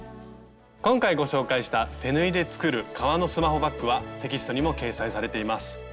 今回ご紹介した「手縫いで作る革のスマホバッグ」はテキストにも掲載されています。